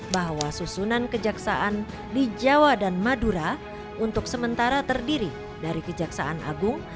bahwa susunan kejaksaan di jawa dan madura untuk sementara terdiri dari kejaksaan agung